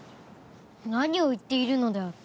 何を言っているのである。